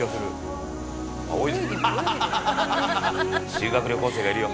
「修学旅行生がいるよ」